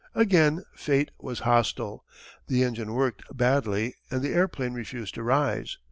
Again fate was hostile. The engine worked badly and the airplane refused to rise.